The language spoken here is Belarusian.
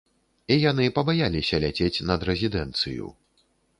І яны пабаяліся ляцець над рэзідэнцыю.